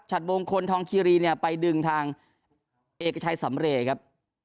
มงคลทองคีรีเนี่ยไปดึงทางเอกชัยสำเรย์ครับ